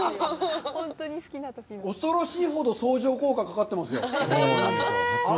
恐ろしいほど相乗効果がかかってますよ。